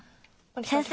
先生